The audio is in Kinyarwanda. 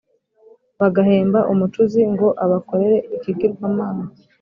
bagahemba umucuzi ngo abakorere ikigirwamana,